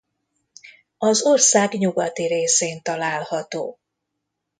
Az ország nyugati részén található.